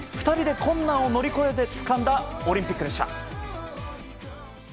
２人で困難を乗り越えてつかんだオリンピックでした。